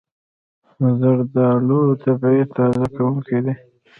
زردالو طبیعي تازه کوونکی دی.